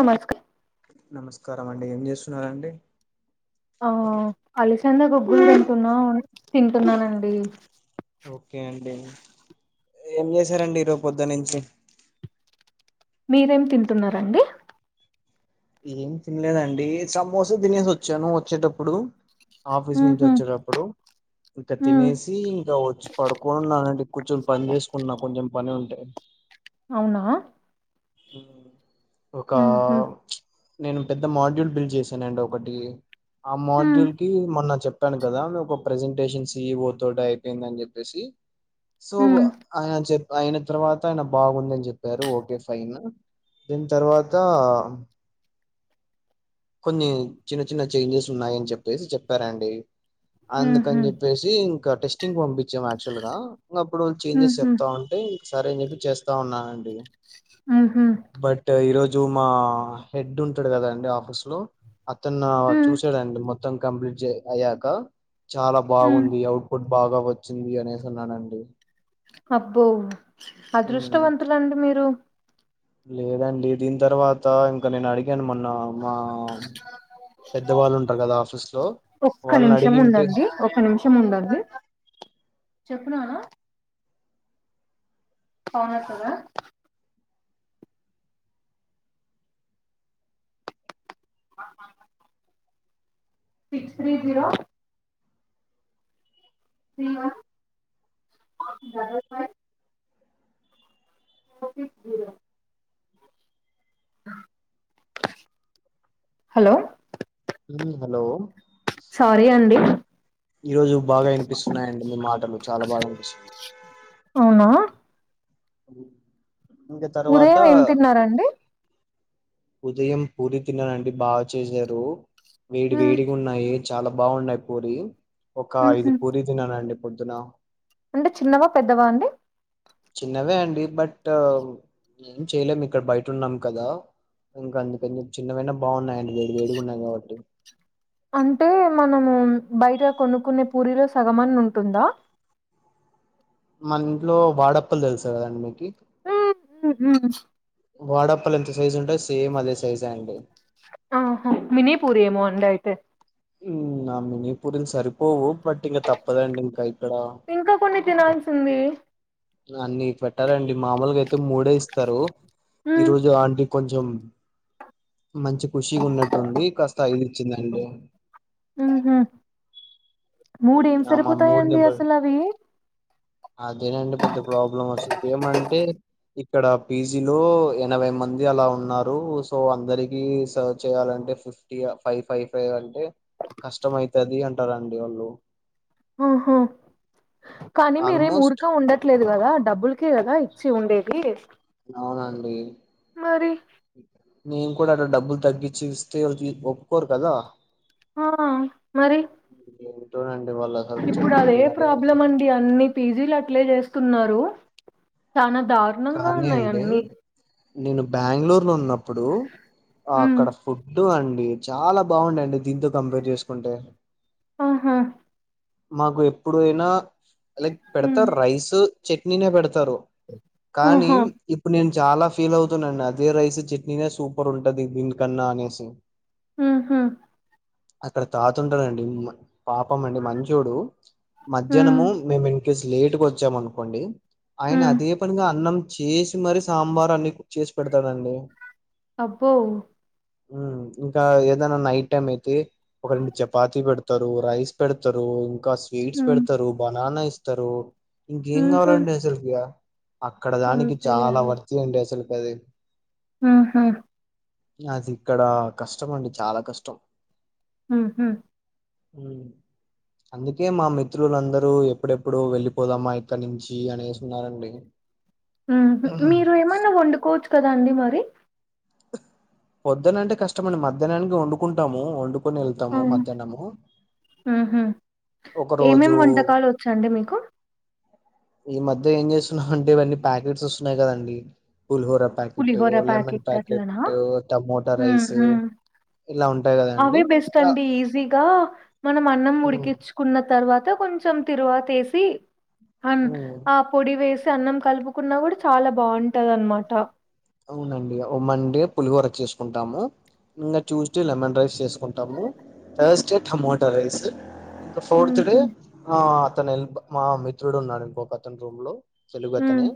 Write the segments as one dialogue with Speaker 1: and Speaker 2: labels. Speaker 1: నమస్కారం
Speaker 2: నమస్కారం అండి ఏం చేస్తున్నారండి
Speaker 1: ఆ అలిసింద గొగ్గులు తింటున్నావు తింటున్నానండి
Speaker 2: ఉమ్ ఓకే అండి ఏం చేశారండి ఈరో పొద్దు నుంచి
Speaker 1: మీరేం తింటున్నారండి
Speaker 2: ఏం తినలేదండి సమోస తినేసి వచ్చాను వచ్చేటప్పుడు ఆఫీస్ నుంచి
Speaker 1: ఉహు
Speaker 2: వచ్చేటప్పుడు ఇంకా
Speaker 1: ఉ
Speaker 2: తినేసి ఇంకా వచ్చి పడుకోనున్నానండి కొంచెం పని చేసుకున్న కొంచెం పని ఉంటే
Speaker 1: అవునా
Speaker 2: ఉ ఒక
Speaker 1: ఉహు
Speaker 2: నేను పెద్ద మాడ్యూల్ బిల్ చేశాను అండి ఒకటి ఆ
Speaker 1: ఉ
Speaker 2: మోడ్యూల్ కి మొన్న చెప్ చెప్పాను కదా మే ఒక ప్రజెంటేషన్ సీఈవో తోటీ అయిపోయింది అని చెప్పేసి సో
Speaker 1: ఉ
Speaker 2: ఆయన చెప్ అయిన తర్వాత ఆయన బాగుందని చెప్పారు ఓకే ఫైన్ దీని తర్వాత కొన్ని చిన్న చిన్న చేంజెస్ ఉన్నాయని చెప్పేసి చెప్పారండి
Speaker 1: ఉహు
Speaker 2: అందుకని చెప్పేసి ఇంకా టెస్టింగ్ పంపి చం యాక్చువల్ గా ఇంకా అప్పుడు చేంజెస్
Speaker 1: ఉహు
Speaker 2: చెప్తాం అంటే ఇంకా సరే అని చెప్పి చేస్తా ఉన్నానండి
Speaker 1: ఉహు
Speaker 2: బట్ ఈరోజు మా హెడ్ ఉంటాడు కదాండి ఆఫీసు లో అతను
Speaker 1: ఉ
Speaker 2: చూసాడండి మొత్తం కంప్లీట్ జె అయ్యాక చాలా
Speaker 1: ఉ
Speaker 2: బాగుంది అవుట్పుట్ బాగా వచ్చింది అనేసి అన్నాడండి
Speaker 1: అబ్బో అదృష్టవంతులండి మీరు
Speaker 2: లేదండి దీని తర్వాత ఇంకా నేను అడిగాను మొన్ న్న మా పెద్దవాళ్ళు ఉంటారు కదా ఆఫీస్ లో
Speaker 1: ఒక్క
Speaker 2: వాళ్ళని
Speaker 1: నిమిషం
Speaker 2: అడిగింటే
Speaker 1: ఉందండి ఒక నిమిషం ఉండడి చెప్పు నాన్న పాలు తాగుతారా six three zero three one ఆ double five four six zero hello
Speaker 2: ఉ హలో
Speaker 1: సారీ అండి
Speaker 2: ఈరోజు బాగా వినిపిస్తున్నాయి అండి మీ మాటలు చాలా బాగా వినిపిస్తు
Speaker 1: అవునా
Speaker 2: ఇంకా తర్వాత
Speaker 1: ఉదయం ఏం తిన్నారండి
Speaker 2: ఉదయం పూరి తిన్నానండి బాగా చేసారు వేడి
Speaker 1: ఉ
Speaker 2: వేడిగా ఉన్నాయి చాలా బాగున్నాయి పూరి ఒక ఐదు
Speaker 1: ఉహు
Speaker 2: పూరి తిిననండి పొద్దున
Speaker 1: అంటే చిన్నవా పెద్దవా అండి
Speaker 2: చిన్నవే అండి బట్ ఏం చెయలేము ఇక్కడ బయట ఉన్నాం కదా ఇంక అందుకని చెప్పి చిన్నవైనా బాగున్నాయండి వేడి వేడి ఉన్నాయి కాబట్టి
Speaker 1: అంటే మనము బయట కొనుక్కునే పూరిలో సగం అన్న ఉంటుందా
Speaker 2: మన ఇంట్లో వాడప్పలు తెలుసు కదండి మీకి
Speaker 1: హ్మ్. హ్మ్. హ్మ్.
Speaker 2: వాడప్పలు ఎంత సైజు ఉంటాయో సేమ్ అదే సైజా అండి
Speaker 1: ఆహ మినీపూర్ ఏమో అండి అయితే
Speaker 2: ఉ నా మినీ పూరీలు సరిపోవు బట్ ఇంకా తప్పదండి ఇంకా ఆ
Speaker 1: ఇంకా కొన్ని తినాల్సిది
Speaker 2: అన్నిీ పెట్టరండి మామూలుగా అయితే మూడే ఇస్తారు ఈ రోజు ఆంటీ కొంచెం మంచి ఖుషి గా ఉన్నట్టు ఉంది కాస్త అైల్ ఇచ్చిందండి
Speaker 1: ఉహు
Speaker 2: ఉ
Speaker 1: మూడేం
Speaker 2: ఆమె మూడు ని
Speaker 1: సరిపోతాయండి
Speaker 2: బట్
Speaker 1: అసలు అవి
Speaker 2: అదేనండి నం అసలు ఏమంటే ఇక్కడ పీజీ లో ఎనభై మంది అలా ఉన్నారు సో అందరికి సర్ చేయాలని అంటే ఫిఫ్టీ ఆ ఫైవ్ ఫైవ్ ఫైవ్ అంటే కష్టం అయితది అంటారుండి వాళ్ళు
Speaker 1: ఆహా కానీ మీరేం
Speaker 2: ఆల్మోస్ట్
Speaker 1: ఊరిక ఉండట్లేదు కదా డబ్బులకే కదా ఇచ్చి ఉండే [unintelligible]
Speaker 2: అవునండీ
Speaker 1: మరి
Speaker 2: నేన్ కూడా అట్ట డబ్బుల్ తగ్గిచ్చి ఇస్తే వాళ్లకి ఒప్పుకోరు కదా
Speaker 1: ఆ మరి
Speaker 2: ఏంటోనండి వాళ్ళు అసలు చెప్తే
Speaker 1: ఇప్పుడదే
Speaker 2: విననే
Speaker 1: ప్రాబ్లం
Speaker 2: వినరు
Speaker 1: అండి అన్ని పీజీలట్లే చేస్తున్నరూ
Speaker 2: కానీ అండీ నేను బ్యాంగ్లుర్లున్నప్పుడూ అక్కడ ఫుడ్డూ అం డి చాలా బావుండె అండి దీంతో కంపేర్ చేసుకుంటే
Speaker 1: ఆహా
Speaker 2: మాకు ఎప్పుడు అయినా లైక్
Speaker 1: హ్మ్.
Speaker 2: పెడతారు రైస్ చట్నీనే పెడతారు కానీ
Speaker 1: ఆహా
Speaker 2: ఇప్పు నేన్ చాలా ఫీల్ అవుతున్నాండి అదే రైస్ చట్నీనే సూపర్ ఉంటది దీనికన్నా అనేసి
Speaker 1: ఆహా
Speaker 2: అక్కడ తాతుంటడండి పాపం అండి మంచోడు
Speaker 1: హ్మ్.
Speaker 2: మధ్యానమూ మేము ఇన్ కేస్ లేటుగొచ్చాం అనుకోండి ఆయన
Speaker 1: హ్మ్.
Speaker 2: అదే పనిగా అన్నం చేసి మరీ సాంబార్ అన్ని చేసి పెడతాడండి
Speaker 1: అబ్బో
Speaker 2: ఊ ఇంకా ఏదనా నైట్ టైమ్ అయితే ఒక రెండు చపాతి పెడతరూ రైస్ పెడతరూ ఇంకా స్వీట్స్
Speaker 1: హ్మ్.
Speaker 2: పెడతరూ బనానా ఇస్తరూ ఇంకేం
Speaker 1: హుహు.
Speaker 2: కావాలండి అసలుకిగా అక్కడ దానికి
Speaker 1: అంతేలే
Speaker 2: చాలా వర్తీ అండి అసలు కది
Speaker 1: ఆహా
Speaker 2: అదిక్కడా కష్టం అండి చాలా కష్టం
Speaker 1: [unintelligible]
Speaker 2: [unintelligible] అందుకే మా మిత్రులందరూ ఎప్పుడెప్పుడు వెళ్ళిపోదామా ఇక్కనుంచి అనేసిఉన్నారండి
Speaker 1: [unintelligible] మీరు ఏమన్నా వొండుకోవచ్చు కదా అండి మరి
Speaker 2: పొద్దునంటే కష్టమండి మధ్యానానికి ఒండుకుంటాము ఒండు
Speaker 1: ఆ!
Speaker 2: కొనెళ్తమూ మధ్యానమూ
Speaker 1: హుహు. ఏమేం వంటకాలొచ్చండి మీకు
Speaker 2: ఈ మధ్య ఏం జేస్తున్నాం అంటే ఇవన్నీ ప్యాకెట్స్ ఒస్తున్నాయి కదండీ పులిహోర ప్యాకెట్టూ
Speaker 1: పులిహోర
Speaker 2: లెమన్
Speaker 1: ప్యాకెట్ అట్లనా?
Speaker 2: ప్యాకెటట్టూ టమోటా
Speaker 1: హ్మ్.
Speaker 2: రైసు
Speaker 1: హ్మ్.
Speaker 2: ఇలా ఉం
Speaker 1: అవే బెస్ట్ అండి ఈజీగా మనం అన్నం
Speaker 2: ఉమ్
Speaker 1: ఉడికిచు చుకున్న తర్వాత కొంచెం తిరువాతేసి ఆం
Speaker 2: ఉమ్
Speaker 1: ఆ పొడి వేసి అన్నం కలుపుకున్నా గూడ చాలా బావుంటదన్ మాట
Speaker 2: అవునండి ఓ మండే పులిహోర చేసుకుంటాము ఇంగ ట్యూస్డే లెమన్ రైస్ చేసుకుంటాము థర్స్‌డే టమోటా రైసు ఇంకా ఫోర్త్‌డే
Speaker 1: హుహు.
Speaker 2: ఆ అతను హెల్ప్ మా మిత్రుడు ఉన్నాడు ఇంకోకతను రూమ్ లో తెలుగు
Speaker 1: హ్మ్.
Speaker 2: అతనే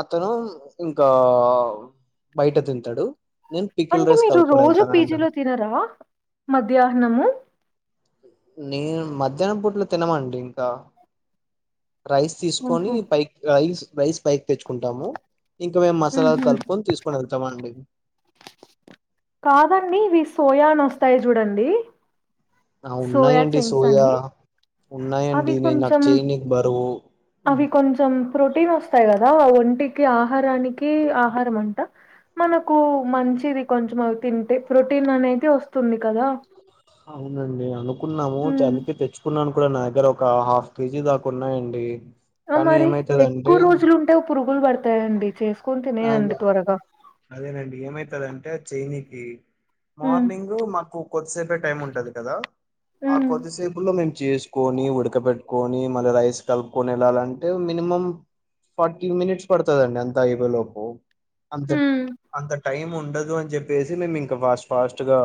Speaker 2: అతను ఇంకా బయట తింటడు
Speaker 1: అంటే మీరు రోజు పీజీలో తినరా మధ్యాహ్నము
Speaker 2: నేను మధ్యానం పూట్ల తినమండి ఇంకా రైస్ తీసుకొని
Speaker 1: ఓహో
Speaker 2: పైకి రైస్ రైస్ పైకి తెచ్చుకుంటాము ఇంకా మేం మసాలాలు
Speaker 1: ఉహు.
Speaker 2: కలుపుకొని తీసుకోనెళ్తమండి
Speaker 1: కాదండి ఇవి సోయా అని ఒస్తాయి జూడండి
Speaker 2: ఆ ఉన్నాయండి
Speaker 1: సోయాచెంగ్స్
Speaker 2: సోయా
Speaker 1: అని అవి
Speaker 2: ఉన్నాయండి నేను నాకు
Speaker 1: కొంచం
Speaker 2: చేయనికి బరువు
Speaker 1: అవి కొంచం ప్రోటీన్ వస్తాయి కదా ఒంటికి ఆహారానికి ఆహారం అంట మనకు మంచిది కొంచెం అవి తింటే ప్రోటీన్ అనేది వస్తుంది కదా.
Speaker 2: అవునండి అనుకున్నము
Speaker 1: ఉమ్
Speaker 2: చలికి తెచ్చుకున్నాను. కుడా నా దగ్గర ఒక హాఫ్ కేజీ దాకా ఉన్నాయండి
Speaker 1: ఆ
Speaker 2: కానీ
Speaker 1: మరి
Speaker 2: ఏమైతదంటే
Speaker 1: ఎక్కువ రోజులుంటే పురుగులు పడతాయండి కేస్
Speaker 2: అవున అదేనండి ఏమైతదండి? టే చేనికి
Speaker 1: ఉమ్
Speaker 2: మార్నింగ్ మాకు కొద్దిసేపే టైం ఉంటది కదా ఆ
Speaker 1: ఉమ్
Speaker 2: కొదిసేపు లో మేం చేసుకొని ఉడక పెట్టుకొని మళ్ళీ రైస్ కలుపుకొని వెళ్ళాలంటే మినిమం ఫార్టీ మినెట్స్ పడుతదండి అంత అయిపోయేలోపు అంతండి
Speaker 1: ఉమ్
Speaker 2: అంతండి టైం ఉండదు అని చెప్పేసి మేము ఇంకా ఫాస్ట్ ఫాస్ట్గా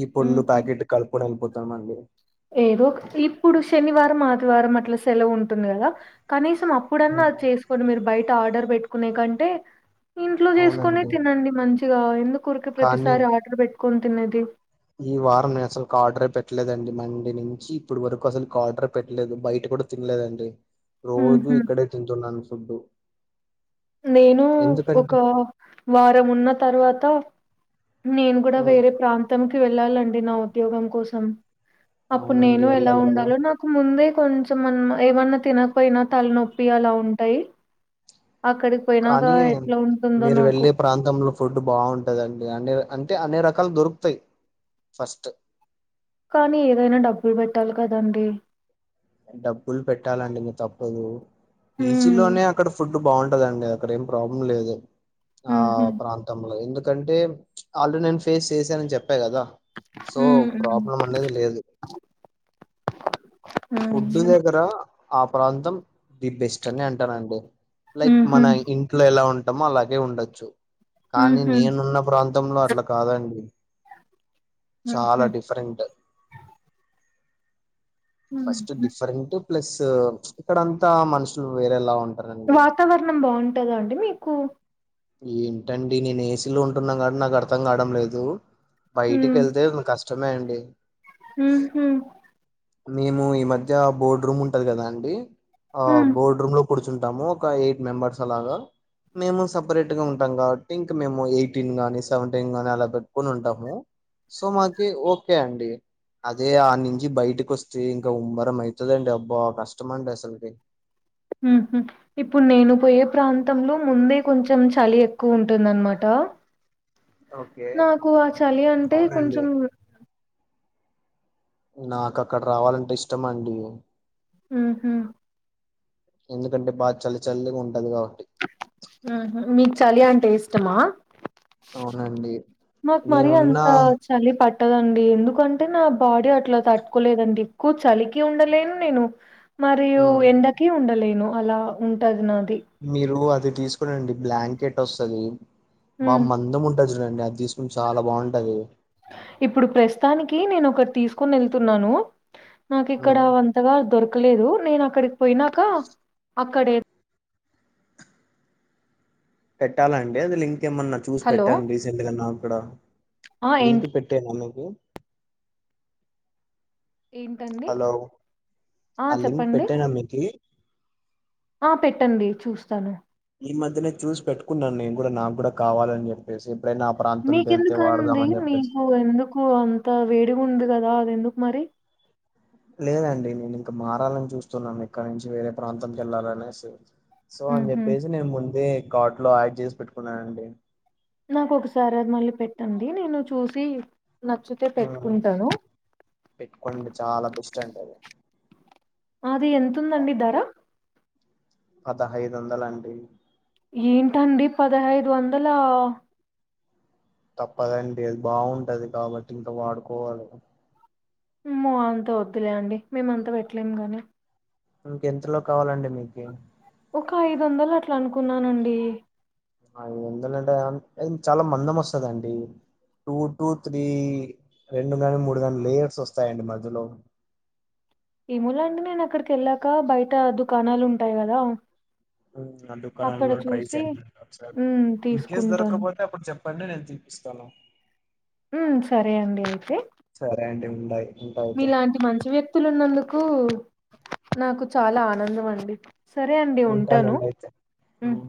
Speaker 2: ఈ పుళ్ళు
Speaker 1: ఉహు
Speaker 2: ప్యాకెటు కలుపుడ ఐపోతమండి
Speaker 1: ఏదో ఇప్పుడు శనివారం ఆదివారం అట్లా సెలవు ఉంటుంది కదా కనీస్ సం అప్పుడన్నా అది చేసుకోని మీరు బయట ఆర్డర్ పెట్టుకునే కంటే ఇంట్లో చేసుకొనె
Speaker 2: అవునండి
Speaker 1: తినండి మంచిగా ఎందుకు ఊరికె
Speaker 2: కానీ
Speaker 1: ప్రతిసారి ఆర్డర్ బెట్టుకొని తినేది
Speaker 2: ఈ వారం నేను అసలుకి ఆర్డర్ పెట్టలేదండి మండీ నుంచి ఇప్పుడు వరకు అసలు కార్డర్ పెట్టలేదు బయటి కూడా తినలేదండి రోజూ
Speaker 1: హుహు.
Speaker 2: ఇక్కడే తింటున్నాను ఫుడ్డు
Speaker 1: నేను ఒక వారం ఉన్న తర్వాత నేను కూడా
Speaker 2: ఉమ్,
Speaker 1: వేరే ప్రాంతంకి వెళ్ళాలన్ అండీ నా ఉద్యోగం కోసం అప్పుడు
Speaker 2: అవునండి
Speaker 1: నేను ఎలా
Speaker 2: వెళ్ళాలి కదా
Speaker 1: ఉండాలో నాకు ముందే కొంచమన్న ఏమన్న తినకపోయినా తలనొప్పి అలా ఉంటయి
Speaker 2: కానీ
Speaker 1: ఎట్లా ఉంటుందో
Speaker 2: మీరు
Speaker 1: నాకు.
Speaker 2: వెళ్ళే ప్రాంతంలో ఫుడ్ బాగుంటుందండి అంటే అంటే అన్ని రకాలు దొరుకుతయి ఫస్ట్ ఉ
Speaker 1: కానీ ఏదైనా డబ్బులు పెట్టాలి కదండి
Speaker 2: డబ్బులు పెట్టాలండి మీ తప్పదు ఈచీ
Speaker 1: హ్మ్
Speaker 2: లోనే అక్కడ ఫుడ్ బాగుంటదండి అక్కడ ఏం ప్రాబ్లం లేదు ఆ
Speaker 1: ఊహు
Speaker 2: ప్రాంతంలో ఎందుక్ కంటే ఆల్రెడీ నేను ఫేస్ చేసానని చెప్పా కదా సో
Speaker 1: హ్మ్
Speaker 2: ప్రాబ్లం అనేది లేదు ఫుడ్
Speaker 1: హ్మ్
Speaker 2: దగ్గర ఆ ప్రాంతం ది బెస్ట్ అని అంటానండి లైక్
Speaker 1: ఊహు
Speaker 2: మన ఇంట్లో ఎలా ఉంటామో అలాగే ఉండొచ్చు కానీ
Speaker 1: ఊహు
Speaker 2: నేనున్న ప్రాంతంలో అట్లా కాదండి చాలా
Speaker 1: ఊహు
Speaker 2: డిఫరెంట్ ఫస్ట్ డిఫరెంట్ ప్లస్ ఉ ఇక్కడంతా మనుషులు వేరేలా ఉం
Speaker 1: వాతావరణం బాగుంటందా అండి మీకు
Speaker 2: ఏంటండి నేను ఏసీలో ఉంటున్న కాటి నాకు అర్ధం కావడం లేదు బయటికి
Speaker 1: హ్మ్
Speaker 2: వెళ్తే ఉ కష్టమే అండి
Speaker 1: ఊహు
Speaker 2: మేము ఈ మధ్య బోర్డు రూమ్ ఉంటది కదా అండి ఆ బోర్డు రూమ్ లో కూర్చుంటాము ఒక ఎయిట్ మెంబర్స్ అలాగా మేము సప్ సపరేట్ గా ఉంటాం కాబట్టి ఇంకా మేము ఎయిటీన్ గాని సెవెంటీన్ గాని అలా పెట్టుకుని ఉంటాము సో మాకి ఓకే అండి. అదే ఆ నుంచి బయటకి వస్తే ఇంకా ఉమ్మరం ఐతదండి అబ్బా కష్టమ అండి అసల్ కి
Speaker 1: తంలో ముందే కొంచెం చలి ఎక్కువ ఉంటుందనమాట
Speaker 2: ఓకే
Speaker 1: నాకు ఆ చలి అంటే
Speaker 2: అవునండి
Speaker 1: కొంచెం
Speaker 2: నాకక్కడ రావాలంటే ఇష్టమండి.
Speaker 1: హ్ముహ్మూ
Speaker 2: ఎందుకంటే బాగ చలి చల్లిగా ఉంటది కాబ
Speaker 1: హ్మ్ హ్ము మీకు చలి అంటే ఇష్టమా.
Speaker 2: అవునండి.
Speaker 1: మాక్ మరీ
Speaker 2: నేనున్నా
Speaker 1: అంతా చలి పట్ పట్టదండి ఎందుకంటే నా బాడీ అట్లా తట్టుకోలేదండి. ఎక్కువ చలికి ఉండలేను నేను మరియు
Speaker 2: హ్మ్.
Speaker 1: ఎండకి ఉండలేను అలా ఉంటది నా
Speaker 2: మీరు అది తీసుకొనండి బ్లాంకెట్ వస్తదీ బా
Speaker 1: హ్మ్.
Speaker 2: మందం ఉంటది. కొనండి అది తీసుకోండ్ చాలా బాగుంటది.
Speaker 1: ఇప్పుడు ప్రస్తుతానికి నేను ఒకట్ తీసుకొన్ ఎళ్తున్నానూ. నాకు ఇక్కడా
Speaker 2: హ్మ్.
Speaker 1: అంతగా దొరకలేదూ నేన్ అక్కడికి పొయినాకా అక్కడే
Speaker 2: పెట్టాలండి అది లింక్ కే మొన్నా చూసి
Speaker 1: హలో!
Speaker 2: పెట్టాను రీసెంట్ గా నాక్కూడా
Speaker 1: ఆ! ఏం
Speaker 2: లింక్ పెట్టాను అను ఏం
Speaker 1: ఏంటండి?
Speaker 2: హలో ఆ లింక్ పెట్టేనా మీకీ
Speaker 1: ఆ పెట్టండి చూస్తాను
Speaker 2: ఈ మధ్యనే చూసి పెట్టుకున్నాను నేన్ గూడ నాక్గూడా కావాలని చెప్పేసి. ఎప్పుడైనా ఆ ప్రాంతంకెళ్తే
Speaker 1: మీకెందుకండి
Speaker 2: వాడదామని చెప్పేసి.
Speaker 1: మీకు ఎందుకు అంత వేడిగ ఉంది గదా అది ఎందుక్. మరి
Speaker 2: లేదండి నేను ఇంక మారాలని చూస్తున్నాను ఇక్కడ నుంచి వేరే ప్రాంతంకి వెళ్ళాలనేసి. సో అని
Speaker 1: హుహు.
Speaker 2: చెప్పేసి నేను ముందే కార్ట్ లో యాడ్ జేసి పెట్టుకున్నానండి.
Speaker 1: నాకొకసారి అది మళ్ళీ పెట్టండీ నేను చూసీ
Speaker 2: ఆ పెట్టుకోండి చాలా బెస్ట్ అండి అది.
Speaker 1: అదీ ఎతుందండి ధరా
Speaker 2: పదహైదు వందల అండి.
Speaker 1: ఏంటండి పదహైదు వందలా
Speaker 2: తప్పదండి అది బాగుంటది కాబట్టి ఇంక వాడుకోవాలి.
Speaker 1: అమ్మో అంత వద్దులే అండి మేమ్ అంత పెట్ట్లేము గాని.
Speaker 2: ఇంకెంతలో కావాలండి మీకి.
Speaker 1: ఒక ఐదు వందలు అట్లా అనుకున్నానండి.
Speaker 2: ఐదు వందలంటే అం చాలా మందం వస్తదండీ. టూ టూ త్రీ రెండు గాని మూడు గాని లేయర్స్ వస్తాయండి మధ్యలో. [inaudible]
Speaker 1: ఏమోలే అండి నేను అక్కడికి ఎళ్ళాకా బయటా దుకాణాలు ఉంటాయి గదా.
Speaker 2: ఆ దుకాణాలలో ట్రై చేయండి.
Speaker 1: హ్మ్
Speaker 2: ఇన్ కేస్
Speaker 1: తీసుకుంటాను
Speaker 2: దొరక్కపోతే అప్పుడు చెప్ ప్పండి నేను తీపిస్తాను
Speaker 1: ఉమ్మ్ సరే అండి అయితే.
Speaker 2: సరే అండి ఉండాయి ఉంటా అయితే
Speaker 1: మీలాంటి మంచి వ్యక్తులు ఉన్నందుకూ నాకు చాలా ఆనందం అండి. సరే అండి ఉంటాను
Speaker 2: ఉంటానండి అయితే
Speaker 1: ఊ
Speaker 2: ఉమ్.